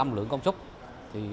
hai mươi ba mươi lượng công suất